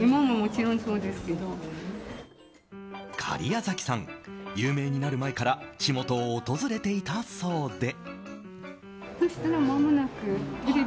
假屋崎さん、有名になる前からちもとを訪れていたそうで。